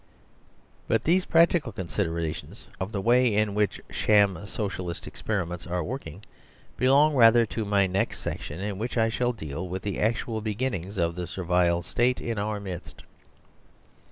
* But these practical considerations of the way in which sham Socialist experiments are working belong rather to my next section, in which I shall deal with the actual be ginnings of the Servile State in our midst.